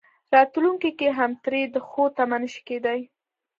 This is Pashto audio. راتلونکي کې هم ترې د ښو تمه نه شي کېدای.